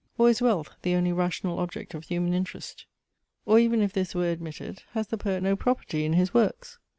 Or is wealth the only rational object of human interest? Or even if this were admitted, has the poet no property in his works?